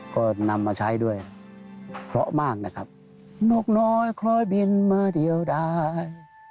โลกน้อยคล้อยบินมาเดียวได้